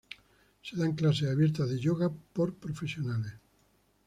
Se dan clases abiertas de yoga por profesionales.